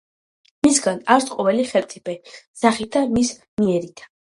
მისგან არს ყოვლი ხელმწიფე სახითა მის მიერითა